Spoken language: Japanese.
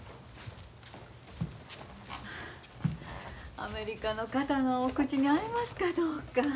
アメリカの方のお口に合いますかどうか。